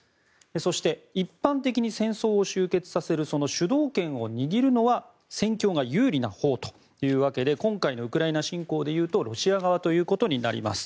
そして、一般的に戦争を終結させるその主導権を握るのは戦況が有利なほうというわけで今回のウクライナ侵攻でいうとロシア側ということになります。